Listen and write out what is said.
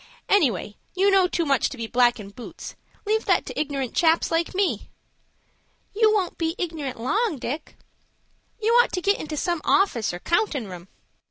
"Anyway, you know too much to be blackin' boots. Leave that to ignorant chaps like me." "You won't be ignorant long, Dick." "You'd ought to get into some office or countin' room."